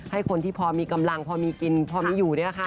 แถมที่พอมีกำลังพอมีกินพอมีอยู่